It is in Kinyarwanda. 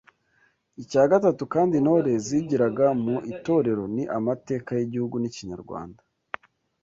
Icya gatatu kandi intore zigiraga mu itorero ni amateka y’Igihugu n’Ikinyarwanda